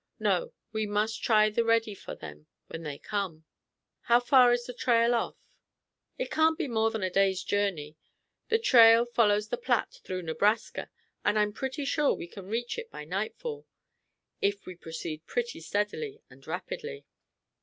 No; we must try the ready for them when they come. How far is the trail off?" "It can't be more than a day's journey; the trail follows the Platte through Nebraska, and I'm pretty sure we can reach it by nightfall, if we proceed pretty steadily and rapidly."